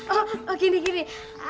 oh oh gini gini